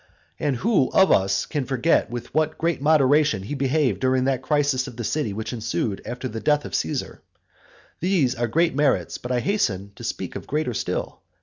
And who of us can forget with what great moderation he behaved during that crisis of the city which ensued after the death of Caesar? These are great merits, but I hasten to speak of greater still.